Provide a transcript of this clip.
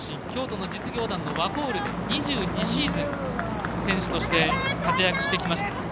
京都の実業団のワコールで２２シーズン選手として活躍してきました。